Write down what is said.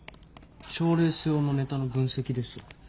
賞レース用のネタの分析ですよ。